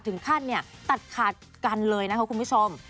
ถึงขั้นตัดขาดกันเลยนะคุณผู้ชม